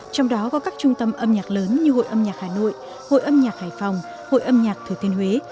trong đó có các trung tâm âm nhạc lớn như hội âm nhạc hà nội hội âm nhạc hải phòng hội âm nhạc thừa thiên huế